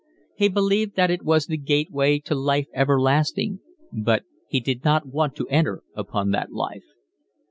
He believed that it was the gateway to life everlasting, but he did not want to enter upon that life.